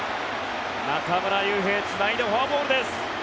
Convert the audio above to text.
中村悠平、つないでフォアボールです。